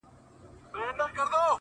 مُلا یې بولي تشي خبري-